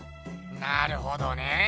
なるほどね。